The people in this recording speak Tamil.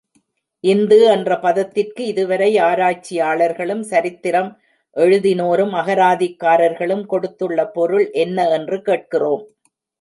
இந்து என்ற பதத்திற்கு இதுவரை ஆராய்ச்சியாளர்களும், சரித்திரம் எழுதினோரும், அகராதிக்காரர்களும் கொடுத்துள்ள பொருள் என்ன என்று கேட்கிறோம்.